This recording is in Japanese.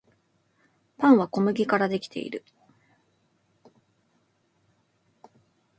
パンは小麦からできている